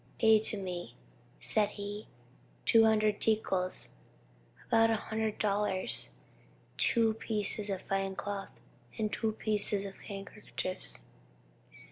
'Pay to me,' said he, 'two hundred tickals, (about a hundred dollars,) two pieces of fine cloth, and two pieces of handkerchiefs.'